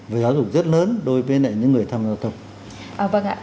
và giáo dục rất lớn đối với những người tham vật thông